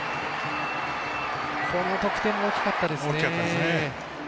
この得点も大きかったですね。